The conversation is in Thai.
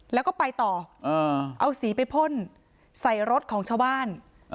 แล้วก็ไปต่อเอาสีไปพ่นใส่รถของชาวบ้าน